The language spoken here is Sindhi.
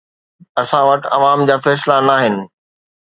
اسان وٽ عوام جا فيصلا ناهن.